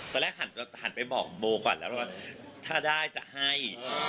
ตอนแรกหันไปบอกโบก่อนแล้วว่าถ้าได้จะให้